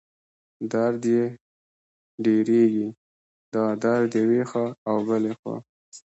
درد یې ډېرېږي، دا درد یوې او بلې خوا